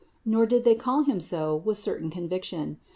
Nor did they call Him so with certain conviction.